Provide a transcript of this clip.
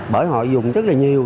bởi họ dùng rất là nhiều